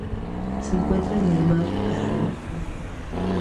Se encuentra en el mar Arábigo.